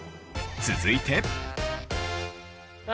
続いて。